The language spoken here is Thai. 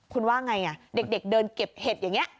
คุณว่าไงเด็กเดินเก็บเห็ดอย่างนี้